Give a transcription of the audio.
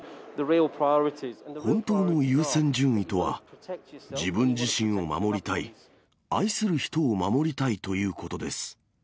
本当の優先順位とは、自分自身を守りたい、愛する人を守りたいということです。